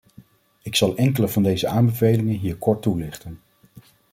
Ik zal enkele van deze aanbevelingen hier kort toelichten.